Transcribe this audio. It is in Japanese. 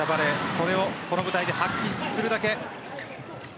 それをこの舞台で発揮するだけ。